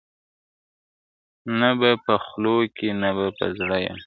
نه به په خولو کي نه به په زړه یم!.